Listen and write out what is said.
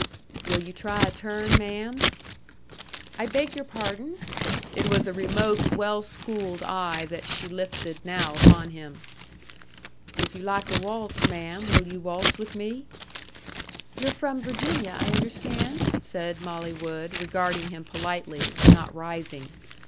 "Will you try a turn, ma'am?" "I beg your pardon?" It was a remote, well schooled eye that she lifted now upon him. "If you like a waltz, ma'am, will you waltz with me?" "You're from Virginia, I understand?" said Molly Wood, regarding him politely, but not rising.